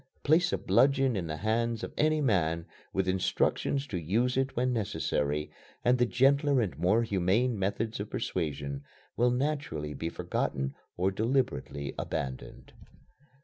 Place a bludgeon in the hand of any man, with instructions to use it when necessary, and the gentler and more humane methods of persuasion will naturally be forgotten or deliberately abandoned.